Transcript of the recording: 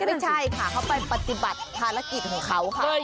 ไม่ใช่่่ค่ะเค้าไปปฏิบัติฐานแหล่ะกินของเค้าค่ะ